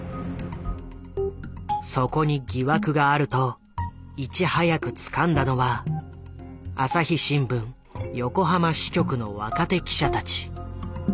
そこに疑惑があるといち早くつかんだのは朝日新聞横浜支局の若手記者たち。